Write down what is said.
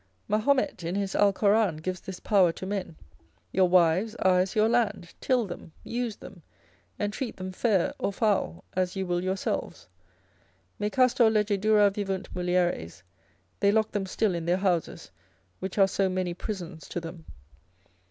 Mahomet in his Alcoran gives this power to men, your wives are as your land, till them, use them, entreat them fair or foul, as you will yourselves. Mecastor lege dura vivunt mulieres, they lock them still in their houses, which are so many prisons to them.